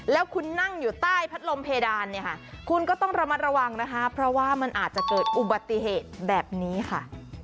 แล้วคุณนั่งอยู่ใต้พัดลมเพดานเนี่ยค่ะคุณก็ต้องระมัดระวังนะคะเพราะว่ามันอาจจะเกิดอุบัติเหตุแบบนี้ค่ะ